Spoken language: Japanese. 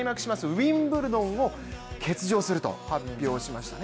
ウィンブルドンを欠場すると発表しました。